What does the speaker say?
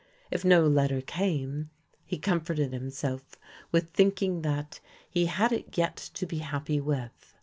If no letter came, he comforted himself with thinking that "he had it yet to be happy with."